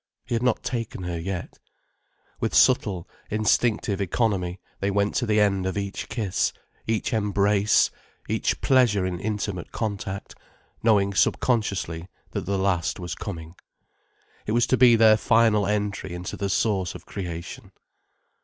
He had not taken her yet. With subtle, instinctive economy, they went to the end of each kiss, each embrace, each pleasure in intimate contact, knowing subconsciously that the last was coming. It was to be their final entry into the source of creation.